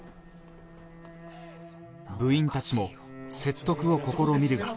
部員たちも説得を試みるが